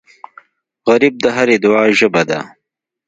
غریب د هرې دعا ژبه ده